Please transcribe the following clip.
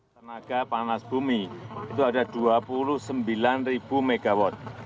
tenaga panas bumi itu ada dua puluh sembilan mw